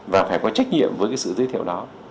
và phải có trách nhiệm với cái sự giới thiệu đó